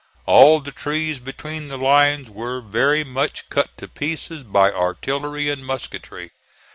All the trees between the lines were very much cut to pieces by artillery and musketry.